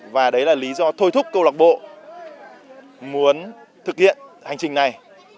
và đấy là lý do thôi thúc công lọc bộ muốn thực hiện hành trình này